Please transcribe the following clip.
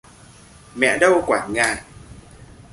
Mẹ đâu quản ngại